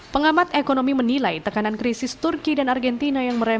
pengamat ekonomi menilai tekanan krisis turki dan argentina yang berbeda